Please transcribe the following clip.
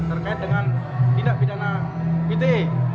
terkait dengan tindak pidana ite